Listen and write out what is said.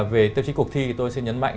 về tiêu chí cuộc thi tôi xin nhấn mạnh